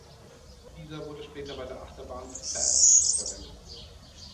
Dieser wurde später bei der Achterbahn Bat verwendet.